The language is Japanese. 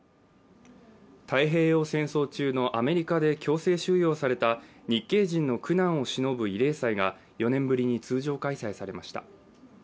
太平洋戦争中のアメリカで強制収容された日系人の苦難をしのぶ慰霊祭が４年ぶりに通常開催されました。